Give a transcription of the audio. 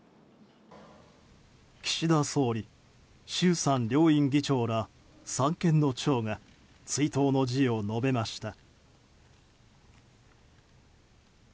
岸田総理、衆参両院議長ら三権の長が追悼の辞を述べました。